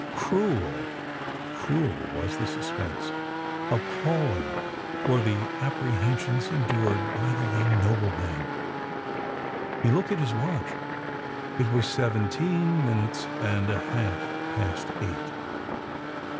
Cruel—cruel was the suspense,—appalling were the apprehensions endured by the young nobleman. He looked at his watch: it was seventeen minutes and a half past eight.